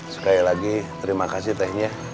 sekali lagi terima kasih tehnya